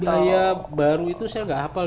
biaya baru itu saya tidak hafal